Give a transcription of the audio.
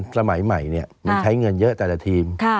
สมัยใหม่มันใช้เงินเยอะแต่ละทีม